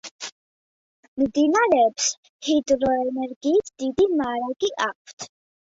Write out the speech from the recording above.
მდინარეებს ჰიდროენერგიის დიდი მარაგი აქვთ.